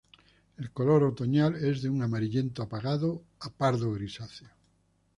El color otoñal es de un amarillento apagado a pardo grisáceo.